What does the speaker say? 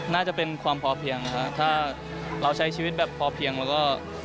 น่าจะเป็นความพอเพียงนะครับถ้าเราใช้ชีวิตแบบพอเพียงแล้วก็